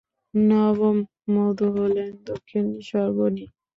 নবম মনু হলেন দক্ষিণ-সর্বর্ণী।